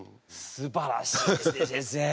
すばらしいですね先生。